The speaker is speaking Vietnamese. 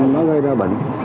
nó gây ra bệnh